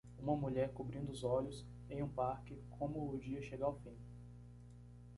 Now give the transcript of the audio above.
Uma mulher cobrindo os olhos em um parque como o dia chega ao fim